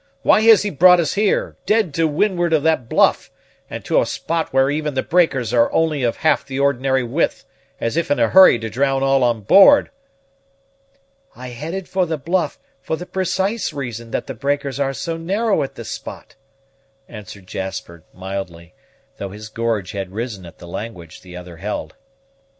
why has he brought us here, dead to windward of that bluff, and to a spot where even the breakers are only of half the ordinary width, as if in a hurry to drown all on board?" "I headed for the bluff, for the precise reason that the breakers are so narrow at this spot," answered Jasper mildly, though his gorge had risen at the language the other held.